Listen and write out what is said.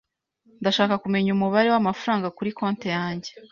Ndashaka kumenya umubare w'amafaranga kuri konti yanjye